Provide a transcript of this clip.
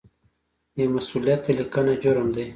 بې مسؤلیته لیکنه جرم دی.